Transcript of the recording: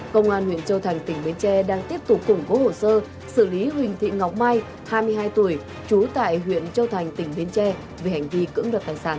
công an huyện châu thành tỉnh bến tre đang tiếp tục củng cố hồ sơ xử lý huỳnh thị ngọc mai hai mươi hai tuổi trú tại huyện châu thành tỉnh bến tre về hành vi cưỡng đoạt tài sản